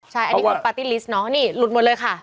ใช่อันนี้คือปาร์ตี้ลิสต์เนาะนี่หลุดหมดเลยค่ะ